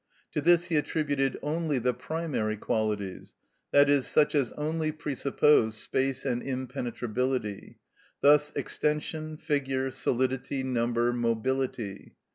To this he attributed only the primary qualities, i.e., such as only presuppose space and impenetrability; thus extension, figure, solidity, number, mobility.